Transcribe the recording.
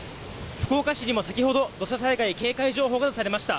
福岡市にも先ほど土砂災害警戒情報が出されました。